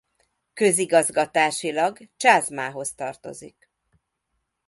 Közigazgatásilag Csázmához tartozik.